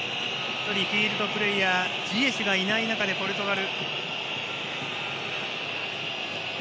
フィールドプレーヤーのジエシュがいない中でポルトガル。